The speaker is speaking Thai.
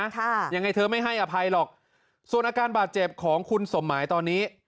ค่ะยังไงเธอไม่ให้อภัยหรอกส่วนอาการบาดเจ็บของคุณสมหมายตอนนี้